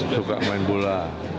suka main bola